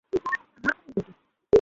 এর চেয়ে বেশি কিছু আমরা করতে পারছি না।